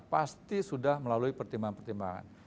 pasti sudah melalui pertimbangan pertimbangan